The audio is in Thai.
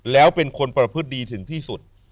แล้วเป็นคนประพฤติดีถึงที่สุด